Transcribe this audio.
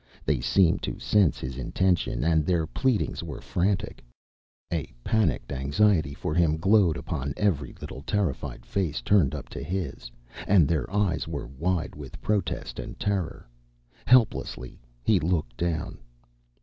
They seemed to sense his intention, and their pleadings were frantic. A panic anxiety for him glowed upon every little terrified face turned up to his, and their eyes were wide with protest and terror. Helplessly he looked down.